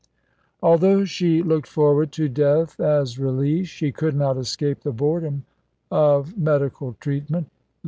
Although she looked forward to death as release, she could not escape the boredom of medical treatment.